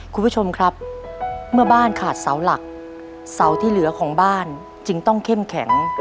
คุณผู้ชมครับเมื่อบ้านขาดเสาหลักเสาที่เหลือของบ้านจึงต้องเข้มแข็ง